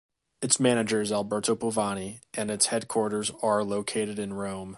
Its manager is Alberto Polvani and its headquarters are located in Rome.